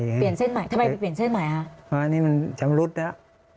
เพราะอันนี้มันจำรุดแล้ว